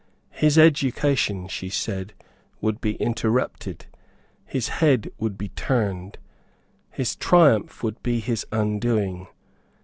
His education, she said, would be interrupted; his head would be turned; his triumph would be his undoing.